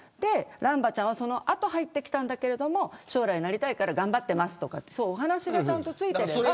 らんばちゃんはその後、入ってきたんだけど将来なりたいから頑張ってますとか、そういうお話がちゃんと付いていれば。